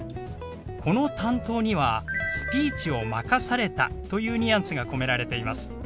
この「担当」には「スピーチを任された」というニュアンスが込められています。